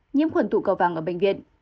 nhiễm khuẩn tụ cầu vang ở bệnh viện